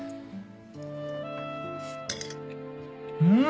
うん！